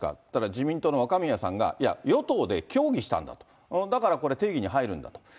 自民党の若宮さんが、いや、与党で協議したんだと、だからこれ、定義に入るんだと。